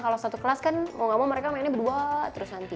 kalau satu kelas kan mau gak mau mereka mainnya berdua terus nanti